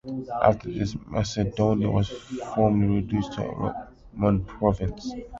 After this, Macedonia was formally reduced to a Roman province.